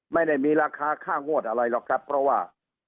ไม่ได้มีราคาค่างวดอะไรหรอกครับเพราะว่า